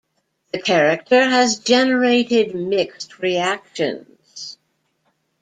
The character has generated mixed reactions.